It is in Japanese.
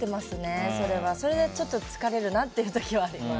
それでちょっと疲れるなって時はあります。